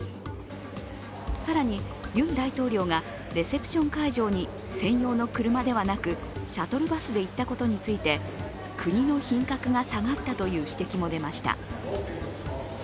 更に、ユン大統領がレセプション会場に専用の車ではなくシャトルバスで行ったことについて、国の品格が下がったという指摘も出ました。